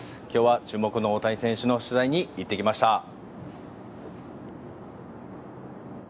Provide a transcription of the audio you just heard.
今日は注目の大谷選手の取材に行ってきました。